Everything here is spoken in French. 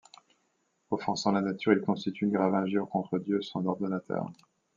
Offensant la nature, il constitue une grave injure contre Dieu, son ordonnateur.